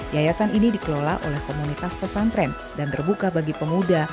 yayasan ini dikelola oleh komunitas pesantren dan terbuka bagi pemuda